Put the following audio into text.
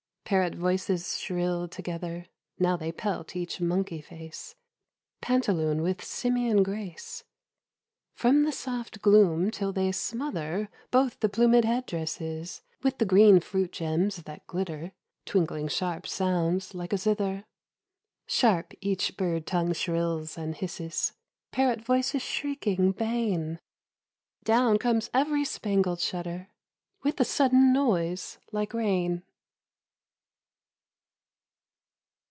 Parrot voices shrill together — Now they pelt each monkey face (Pantaloon with Simian grace) From the soft gloom till they smother Both the plumed head dresses with the green fruit gems that glitter (Twinkling sharp sounds like a zither). Sharp each bird tongue shrills and hisses, Parrot voices shrieking bane ;— Down comes every spangled shutter with a sudden noise like rain.